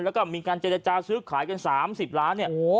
แล้วก็มีการเจรจาซื้อขายกัน๓๐ล้านเนี่ย